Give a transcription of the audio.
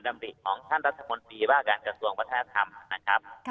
ดำริของท่านรัฐมนตรีว่าการกระทรวงวัฒนธรรมนะครับ